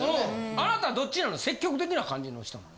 あなたどっちなの積極的な感じの人なの？